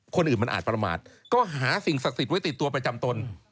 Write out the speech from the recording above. คนอื่นมันอาจประมาทก็หาสิ่งศักดิ์สิทธิ์ไว้ติดตัวประจำตน